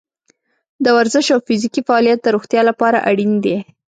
د ورزش او فزیکي فعالیت د روغتیا لپاره اړین دی.